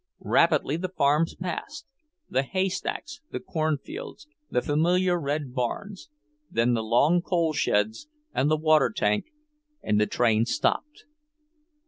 Rapidly the farms passed; the haystacks, the cornfields, the familiar red barns then the long coal sheds and the water tank, and the train stopped.